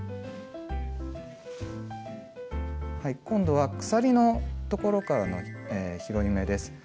今度は鎖のところからの拾い目です。